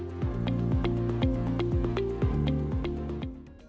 jalan jalan men